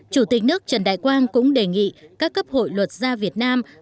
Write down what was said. chủ tịch nước trần đại quang cũng đề nghị các cấp hội luật gia việt nam